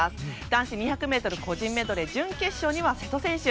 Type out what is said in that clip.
男子２００ｍ個人メドレー準決勝には瀬戸選手。